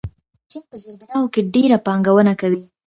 چین په زیربناوو کې ډېره پانګونه کوي.